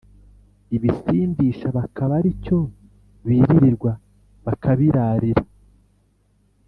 Ibisindisha bakaba ari cyo biririrwa bakabirarira